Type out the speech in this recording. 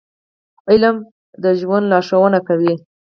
• علم د ژوند لارښوونه کوي.